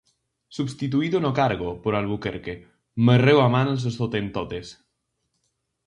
Substituído no cargo por Albuquerque, morreu a mans dos hotentotes.